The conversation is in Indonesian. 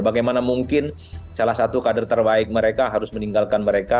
bagaimana mungkin salah satu kader terbaik mereka harus meninggalkan mereka